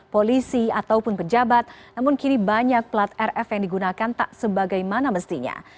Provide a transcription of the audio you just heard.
polisi ataupun pejabat namun kini banyak pelat rf yang digunakan tak sebagaimana mestinya